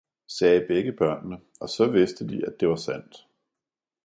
sagde begge børnene og så vidste de, at det var sandt.